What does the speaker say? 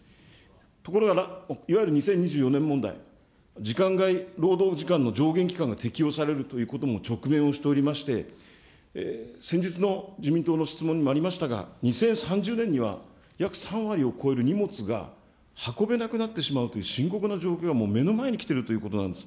ところがいわゆる２０２４年問題、時間外労働時間の上限期間が適用されるということも直面をしておりまして、先日の自民党の質問にもありましたが、２０３０年には約３割を超える荷物が運べなくなってしまうという深刻な状況が目の前に来てるということなんです。